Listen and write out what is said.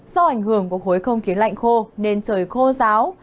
do ảnh hưởng của khối không kế lạnh khô nên trời khô ráo